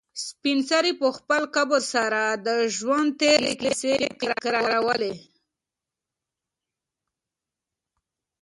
سپین سرې په خپل کبر سره د ژوند تېرې کیسې تکرارولې.